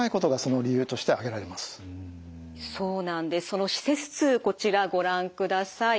その施設数こちらご覧ください。